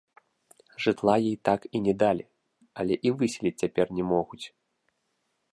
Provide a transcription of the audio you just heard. Жытла ёй так і не далі, але і выселіць цяпер не могуць.